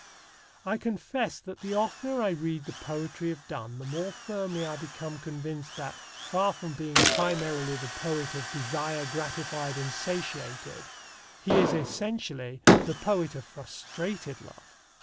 I confess that the oftener I read the poetry of Donne the more firmly I become convinced that, far from being primarily the poet of desire gratified and satiated, he is essentially the poet of frustrated love.